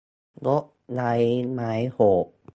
นกไร้ไม้โหด